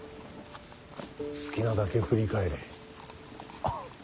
好きなだけ振り返れ。